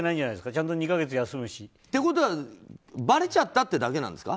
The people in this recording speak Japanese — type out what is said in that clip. ちゃんと２か月休むし。ってことは、ばれちゃったってだけなんですか。